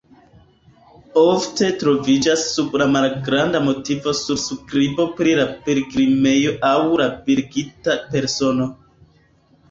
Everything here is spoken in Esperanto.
Ofte troviĝas sub la malgranda motivo surskribo pri la pilgrimejo aŭ la bildigita persono.